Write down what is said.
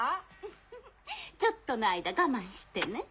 フフちょっとの間我慢してね。